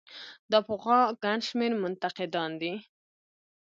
دا پخوا ګڼ شمېر منتقدان دي.